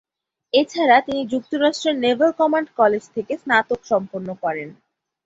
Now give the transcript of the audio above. এছাড়া তিনি যুক্তরাষ্ট্রের নেভাল কমান্ড কলেজ থেকে স্নাতক সম্পন্ন করেন।